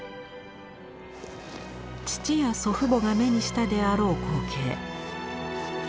父や祖父母が目にしたであろう光景。